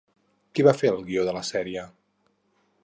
Qui va fer el guió de la sèrie?